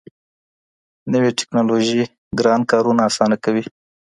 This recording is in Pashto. نوې ټیکنالوژي ګران کارونه اسانه کوي.